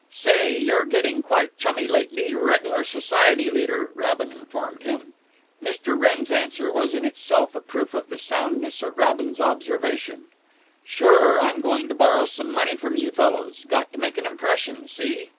"Say, you're getting quite chummy lately—reg'lar society leader," Rabin informed him. Mr. Wrenn's answer was in itself a proof of the soundness of Rabin's observation: "Sure—I'm going to borrow some money from you fellows. Got to make an impression, see?"